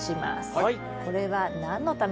はい。